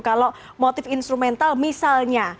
kalau motif instrumental misalnya